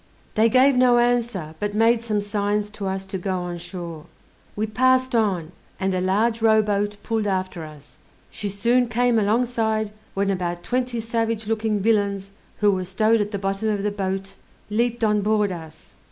They gave no answer, but made some signs to us to go in shore. We passed on, and a large rowboat pulled after us; she soon came alongside, when about twenty savage looking villains, who were stowed at the bottom of the boat, leaped on board us.